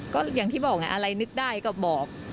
ก็อย่างที่บอกไงอะไรนึกได้ก็บอก